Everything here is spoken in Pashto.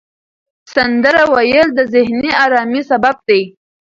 سندره ویل د ذهني آرامۍ سبب دی.